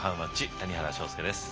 谷原章介です。